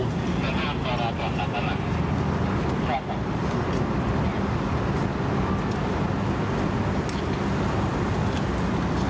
รับรับรับรับรับ